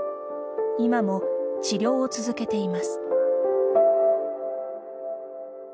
今も、治療を続けています。